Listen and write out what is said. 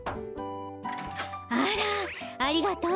あらありがとう。